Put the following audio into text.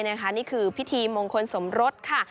นี่คือพิธีมงคลสมรสค่ะ